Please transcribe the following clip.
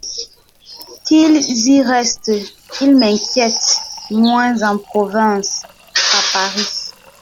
Qu’ils y restent ; ils m’inquiètent moins en province qu’à Paris…